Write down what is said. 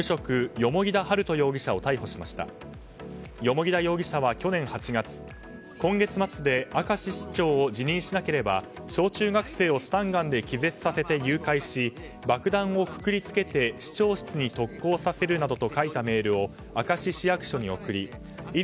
蓬田容疑者は去年８月今月末で明石市長を辞任しなければ小中学生をスタンガンで気絶させて誘拐し爆弾をくくりつけて市長室に特攻させるなどと書いたメールを明石市役所に送り泉